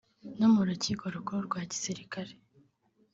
no mu rukiko rukuru rwa Gisirikare